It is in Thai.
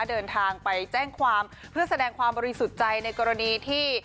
เดินทางไปแจ้งความเพื่อแสดงความบริสุทธิ์ใจในกรณีที่